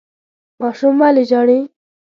ماشوم ولې ژاړي ؟